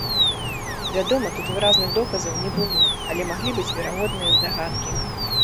Вядома, тут выразных доказаў не было, але маглі быць верагодныя здагадкі.